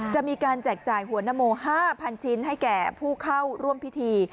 จะมีการแจกจ่ายหัวนโม๕๐๐ชิ้นให้แก่ผู้เข้าร่วมพิธี